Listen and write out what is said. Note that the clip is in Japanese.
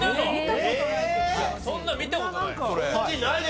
そんなん見たことない。